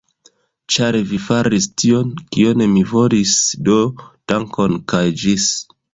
Ĉar vi faris tion, kion mi volis do dankon, kaj ĝis!